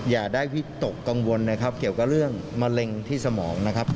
อย่าได้วิตกกังวลนะครับเกี่ยวกับเรื่องมะเร็งที่สมองนะครับ